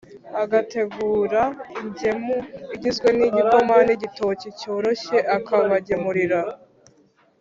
Agateguraingemu igizwe n’igikoma n’igitoki cyoroshye, akabagemurira.